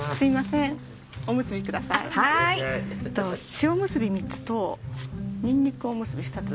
塩むすび３つとにんにくおむすび２つ。